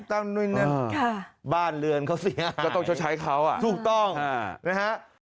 ตั้งนึงนึงบ้านเรือนเขาเสียอายถูกต้องนะฮะ